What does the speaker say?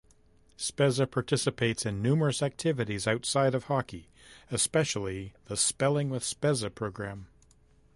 Spezza participates in numerous activities outside of hockey, especially the "Spelling with Spezza" program.